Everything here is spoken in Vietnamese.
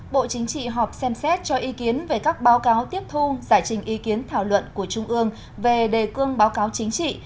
bộ chính trị họp xem xét cho ý kiến về các báo cáo tiếp thu giải trình ý kiến thảo luận của trung ương về đề cương báo cáo chính trị